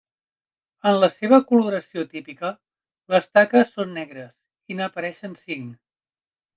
En la seva coloració típica, les taques són negres i n'apareixen cinc.